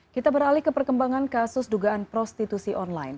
kita beralih ke perkembangan kasus dugaan prostitusi online